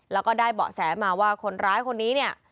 แล้วก็ได้เบาะแสมาว่าคนร้ายคนนี้เนี่ย